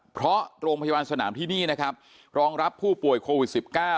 เพราะโรงพยาบาลสนามที่นี่นะครับรองรับผู้ป่วยโควิด๑๙